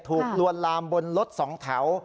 ลวนลามบนรถสองแถว